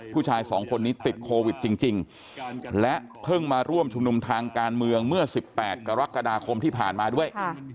ผู้ชายสองคนนี้ติดโควิดจริงและเพิ่งมาร่วมชุมนุมทางการเมืองเมื่อ๑๘กรกฎาคมที่ผ่านมาด้วย